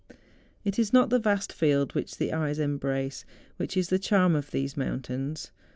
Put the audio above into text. It is not the vast field which the eyes embrace which is the charm of these mountains.